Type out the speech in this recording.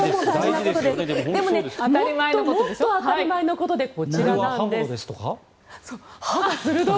でも、もっともっと当たり前のことでこちらなんです。